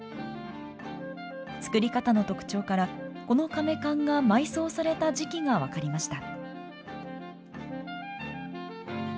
作り方の特徴からこのかめ棺が埋葬された時期が分かりました。